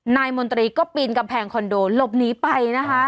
มนตรีก็ปีนกำแพงคอนโดหลบหนีไปนะคะ